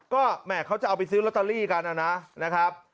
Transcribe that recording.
ก็แหมเขาจะเอาไปซื้อลอตเตอรี่กันนะครับ